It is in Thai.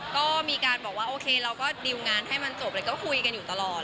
ก็มีการบอกว่าโอเคเราก็ดิวงานให้มันจบแล้วก็คุยกันอยู่ตลอด